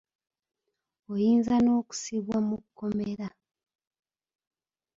Oyinza n'okusibwa mu kkomrera.